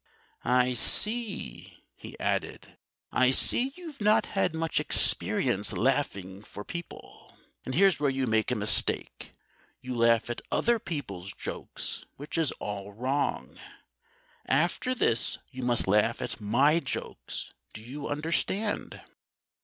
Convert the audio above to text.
I see," he added, "I see you've not had much experience laughing for people. And here's where you make a mistake. You laugh at other people's jokes, which is all wrong. After this you must laugh at my jokes do you understand?"